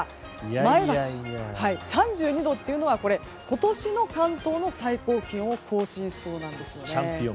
前橋の３２度というのは今年の関東の最高気温を更新しそうなんです。